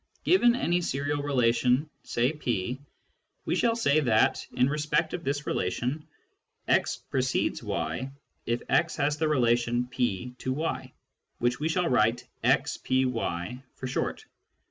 Given any serial relation, say P, we shall say that, in respect of this relation, x " precedes " y if x has the relation P to y, which we shall write " xVy " for short.